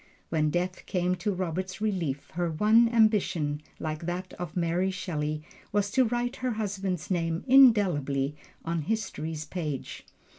When death came to Robert's relief, her one ambition, like that of Mary Shelley, was to write her husband's name indelibly on history's page.